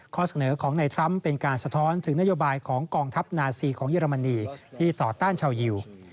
ข้อเสนอของในทรัมป์เป็นการสะท้อนถึงนโยบายของกองทัพนาซีของเยอรมนีที่ต่อต้านชาวยิว